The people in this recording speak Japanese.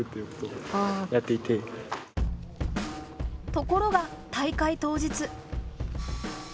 ところが大会当日。